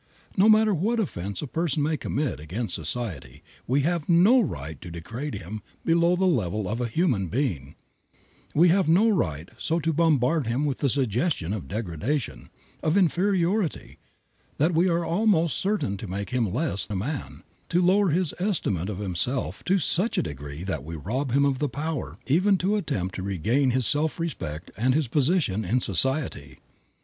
No matter what offense a person may commit against society we have no right to degrade him below the level of a human being; we have no right so to bombard him with the suggestion of degradation, of inferiority, that we are almost certain to make him less a man; to lower his estimate of himself to such a degree that we rob him of the power even to attempt to regain his self respect and his position in society.